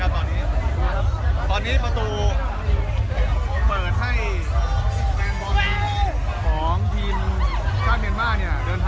ตอนนี้ประตูให้